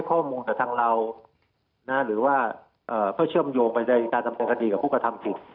กระทั่งเราทางเราหรือว่าเพิ่มแต่เชื่อมโยงการทันปกติกับธรรมกวาฐรนิกุศ